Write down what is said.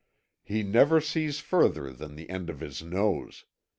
He never sees further than the end of his nose.